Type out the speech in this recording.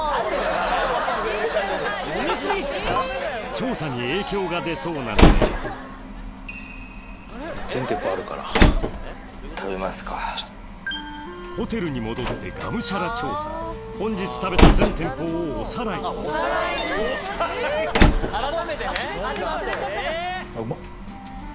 調査に影響が出そうなのでホテルに戻ってがむしゃら調査本日食べた全店舗をおさらいあっうまっ。